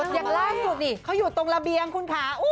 อย่างล่าสุดนี่เขาอยู่ตรงระเบียงคุณค่ะ